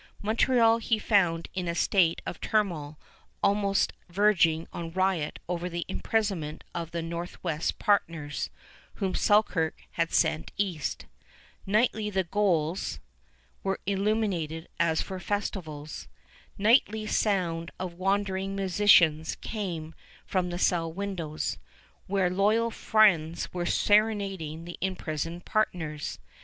Montreal he found in a state of turmoil almost verging on riot over the imprisonment of the Northwest partners, whom Selkirk had sent east. Nightly the goals [Transcriber's note: gaols?] were illuminated as for festivals. Nightly sound of wandering musicians came from the cell windows, where loyal friends were serenading the imprisoned partners.